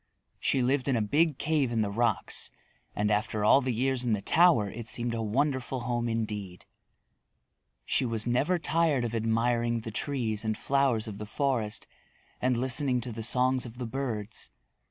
She lived in a big cave in the rocks, and after all the years in the tower it seemed a wonderful home indeed. She was never tired of admiring the trees and flowers of the forest and listening to the songs of the birds.